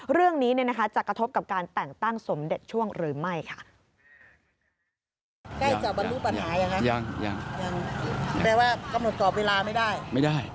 เรื่องนี้จะกระทบกับการแต่งตั้งสมเด็จช่วงหรือไม่ค่ะ